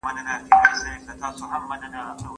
داستاني ادبیات د ژوند کیسه بیانوي.